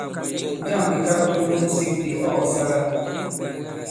Njâŋ bìkakto bi musik bi ɔ kɔ̀sala ?